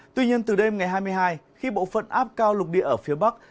tuy nhiên từ đêm ngày hai mươi hai khi bộ phận áp cao lục địa ở phía bắc